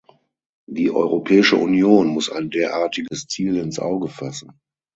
Die Europäische Union muss ein derartiges Ziel ins Auge fassen.